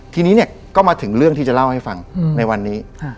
ทีนี้เนี่ยก็มาถึงเรื่องที่จะเล่าให้ฟังในวันนี้